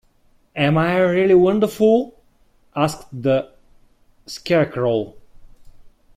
Am I really wonderful? asked the Scarecrow.